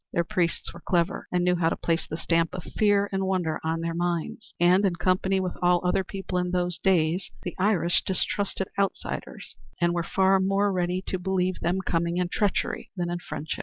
Their priests were clever and knew how to place the stamp of fear and wonder on their minds. And in company with all other people in those days the Irish distrusted outsiders and were far more ready to believe them coming in treachery than in friendship.